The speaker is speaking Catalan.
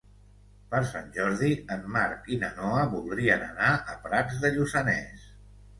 Per Sant Jordi en Marc i na Noa voldrien anar a Prats de Lluçanès.